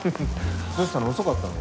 どうしたの遅かったの？